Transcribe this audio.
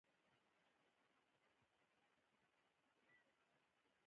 رسوب د افغانستان د ټولنې لپاره یو بنسټيز رول لري.